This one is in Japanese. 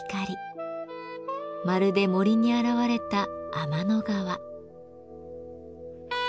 まるで森に現れた「天の川」。